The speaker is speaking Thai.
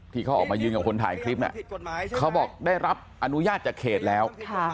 ที่เขาออกมายืนกับคนถ่ายคลิปน่ะเขาบอกได้รับอนุญาตจากเขตแล้ว